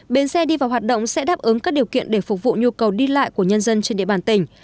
bến xe đi vào hoạt động sẽ đáp ứng các điều kiện để phục vụ nhu cầu đi lại của nhân dân trên địa bàn tỉnh